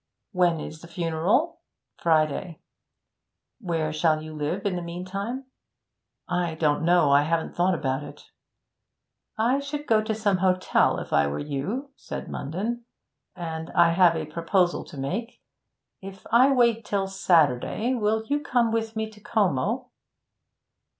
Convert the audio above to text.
'When is the funeral?' 'Friday.' 'Where shall you live in the meantime?' 'I don't know I haven't thought about it.' 'I should go to some hotel, if I were you,' said Munden, 'and I have a proposal to make. If I wait till Saturday, will you come with me to Como?'